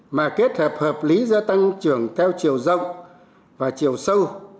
mà kết hợp hợp lý do tăng trưởng theo chiều rộng và chiều sâu